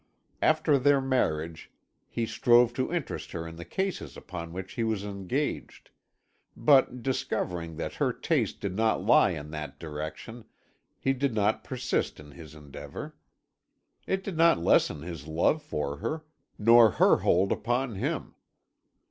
After their marriage he strove to interest her in the cases upon which he was engaged, but, discovering that her taste did not lie in that direction, he did not persist in his endeavour. It did not lessen his love for her, nor her hold upon him.